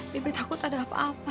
bibit takut ada apa apa